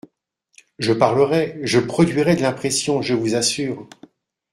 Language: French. Je parlerai, je produirai de l’impression, je vous assure…